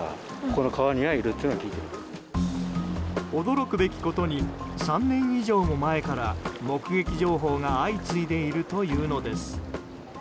驚くべきことに３年以上も前から目撃情報が相次いでいるというのです。